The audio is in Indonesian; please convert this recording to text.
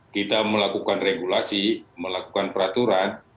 kita melakukan regulasi melakukan peraturan